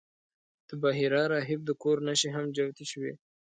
د بحیرا راهب د کور نښې هم جوتې شوې.